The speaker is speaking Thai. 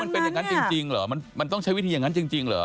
มันเป็นอย่างนั้นจริงเหรอมันต้องใช้วิธีอย่างนั้นจริงเหรอ